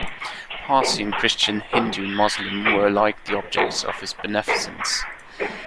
Parsi and Christian, Hindu and Muslim, were alike the objects of his beneficence.